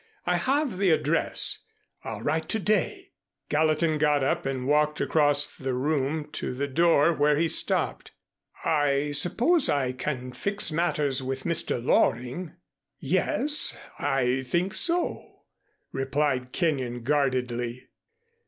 I have the address. I'll write to day." Gallatin got up and walked across the room to the door, where he stopped. "I suppose I can fix matters with Mr. Loring " "Yes, I think so," replied Kenyon guardedly.